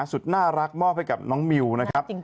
สุดน่ารักมอบให้กับน้องมิวนะครับ